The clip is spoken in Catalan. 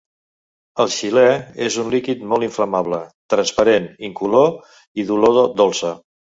El xilè és un líquid molt inflamable, transparent, incolor i d'olor dolça.